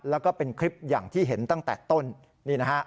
แล้วก็เป็นคลิปอย่างที่เห็นตั้งแต่ต้นนี่นะฮะ